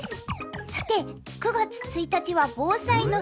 さて９月１日は防災の日。